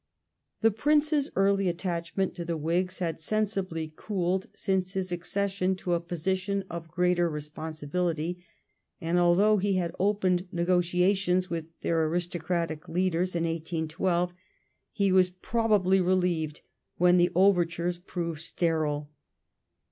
The Prince's early attachment to the Whigs had sensibly cooled The since his accession to a position of greater responsibility, and al Ministry though he had opened negotiations with their aristocratic leaders in 1812, he was probably relieved when the overtures proved sterile.